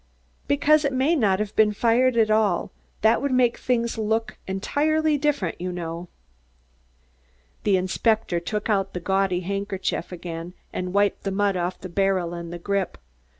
"Because it may not have been fired at all. That would make things look entirely different, you know." The inspector took out the gaudy handkerchief again and wiped the mud off the barrel and the grip.